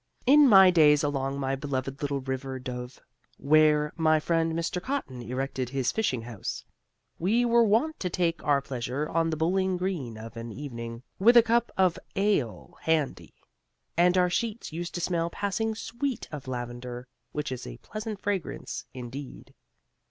In my days along my beloved little river Dove, where my friend Mr. Cotton erected his fishing house, we were wont to take our pleasure on the bowling green of an evening, with a cup of ale handy. And our sheets used to smell passing sweet of lavender, which is a pleasant fragrance, indeed.